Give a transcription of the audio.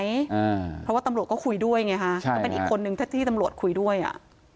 เพราะว่าตำรวจก็คุยด้วยไงฮะครับก็เป็นอีกคนนึงถ้าที่ตำรวจคุยด้วยอ่ะ